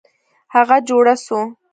هغه جوړه سوه.